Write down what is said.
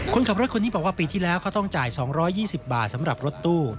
คนขับรถคนนี้บอกว่าปีที่แล้วเขาต้องจ่าย๒๒๐บาทสำหรับรถตู้